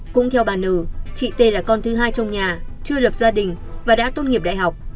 cũng theo bà nư chị t là con thứ hai trong nhà chưa lập gia đình và đã tốt nghiệp đại học